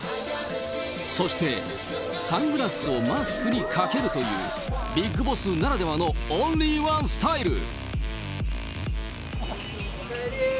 そしてサングラスをマスクにかけるという、ビッグボスならではのオンリーワンスタイル。